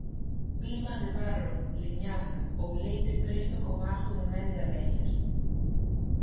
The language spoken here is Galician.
Bilma de barro, liñaza ou leite preso con algo de mel de abellas.